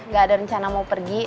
gak ada rencana mau pergi